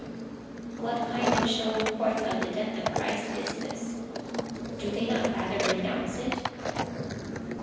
385 What kind of showing forth of the death of Christ is tliis ? Do they not rather renounce it